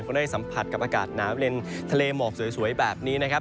ก็ได้สัมผัสกับอากาศหนาวเล่นทะเลหมอกสวยแบบนี้นะครับ